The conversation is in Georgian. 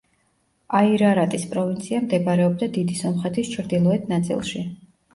აირარატის პროვინცია მდებარეობდა დიდი სომხეთის ჩრდილოეთ ნაწილში.